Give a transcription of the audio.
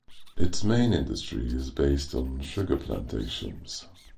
Its main industry is based on sugar plantations.